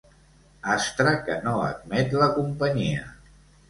Astre que no admet la companyia.